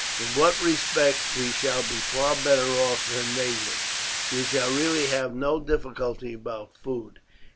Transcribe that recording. "In that respect we shall be far better off than they would. We shall really have no difficulty about food.